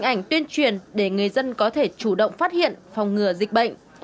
hình ảnh tuyên truyền để người dân có thể chủ động phát hiện phòng ngừa dịch bệnh